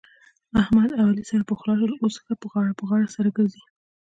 احمد اوعلي سره پخلا سول. اوس ښه غاړه په غاړه سره ګرځي.